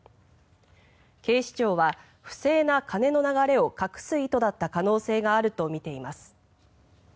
警視庁は不正な金の流れを隠す意図だった可能性があるとみています。